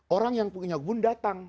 orang yang punya gun datang